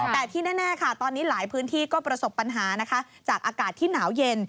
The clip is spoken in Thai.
แต่ที่แน่ค่ะตอนนี้หลายพื้นที่ก็ประสบปัญหานะคะจากอากาศที่หนาวเย็น